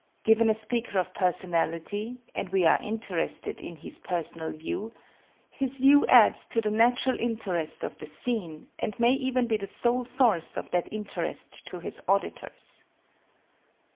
Given a speaker of personality, and we are interested in his personal view his view adds to the natural interest of the scene, and may even be the sole source of that interest to his auditors.